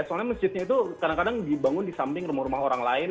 soalnya masjidnya itu kadang kadang dibangun di samping rumah rumah orang lain